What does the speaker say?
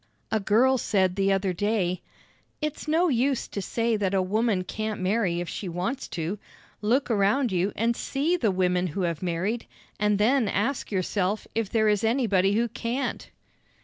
A girl said the other day: "It's no use to say that a woman can't marry if she wants to. Look around you, and see the women who have married, and then ask yourself if there is anybody who can't!"